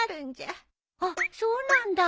あっそうなんだ。